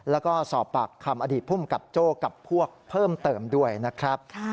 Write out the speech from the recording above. แล้วก็สอบปากคำอดีตภูมิกับโจ้กับพวกเพิ่มเติมด้วยนะครับ